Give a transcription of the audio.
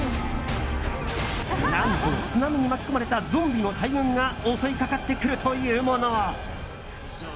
何と、津波に巻き込まれたゾンビの大群が襲いかかってくるというもの。